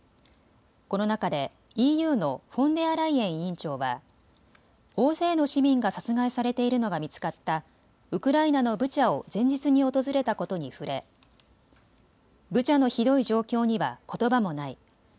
この中でＥＵのフォンデアライエン委員長は大勢の市民が殺害されているのが見つかったウクライナのブチャを前日に訪れたことに触れブチャのひどい状況にはことばもない。